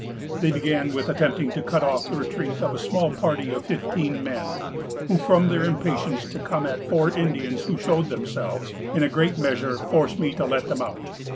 They began with attempting to cut off the retreat of a small party of fifteen men, who, from their impatience to come at four Indians who showed themselves, in a great measure forced me to let them out.